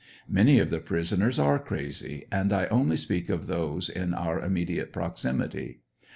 Many of the prisoners are crazy, and 1 only speak of those in our immediate proximity.